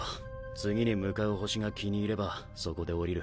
次に向かう星が気に入ればそこで降りる。